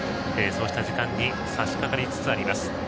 そうした時間に差しかかりつつあります。